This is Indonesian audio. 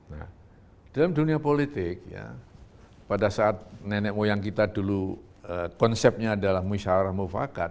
nah dalam dunia politik ya pada saat nenek moyang kita dulu konsepnya adalah musyawarah mufakat